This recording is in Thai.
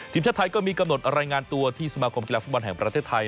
ทีมชาติไทยก็มีกำหนดรายงานตัวที่สมาคมกีฬาฟุตบอลแห่งประเทศไทย